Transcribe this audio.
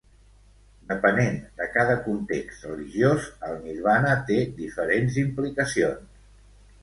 Depenent de cada context religiós, el nirvana té diferents implicacions.